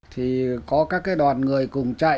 thì có các đoàn người cùng chạy